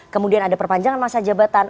kemudian ada perpanjangan masa jabatan